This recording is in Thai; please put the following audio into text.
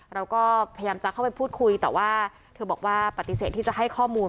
เราก็พยายามจะเข้าไปพูดคุยแต่ว่าเธอบอกว่าปฏิเสธที่จะให้ข้อมูล